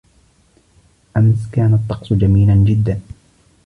امس كان الطقس جميلا جداً.